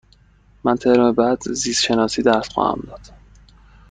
من ترم بعد زیست شناسی درس خواهم داد.